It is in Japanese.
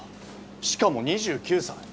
しかも２９歳。